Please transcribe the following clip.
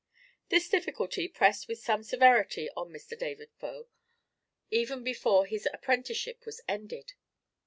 This difficulty pressed with some severity on Mr. David Faux, even before his apprenticeship was ended.